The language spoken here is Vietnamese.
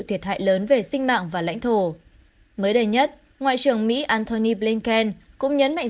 thiệt hại lớn về sinh mạng và lãnh thổ mới đây nhất ngoại trưởng mỹ antony blinken cũng nhấn mạnh